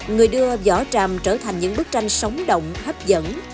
người đưa vỏ tràm trở thành những bức tranh sóng động hấp dẫn